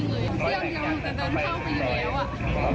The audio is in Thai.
มันก็ยิงมันก็วิ่งเลยเดี๋ยวหนูแต่เดินเข้าไปอยู่แล้วอ่ะ